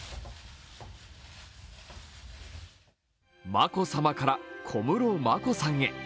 眞子さまから小室眞子さんへ。